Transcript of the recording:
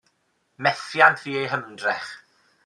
Methiant fu eu hymdrech.